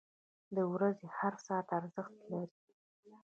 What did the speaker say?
• د ورځې هر ساعت ارزښت لري.